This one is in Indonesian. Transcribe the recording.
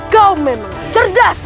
kau memang cerdas